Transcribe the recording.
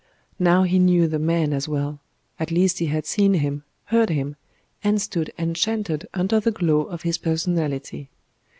Now he knew the Man as well at least he had seen Him, heard Him, and stood enchanted under the glow of His personality.